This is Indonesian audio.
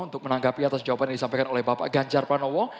untuk menanggapi atas jawaban yang disampaikan oleh bapak ganjar pranowo